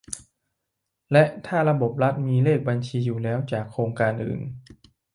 และถ้าระบบรัฐมีเลขบัญชีอยู่แล้วจากโครงการอื่น